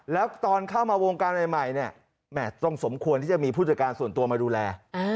แล้วตอนเข้ามาวงการใหม่เนี่ยต้องสมควรที่จะมีผู้จัดการส่วนตัวมาดูแล